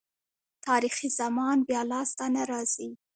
تاریخي زمان بیا لاسته نه راځي.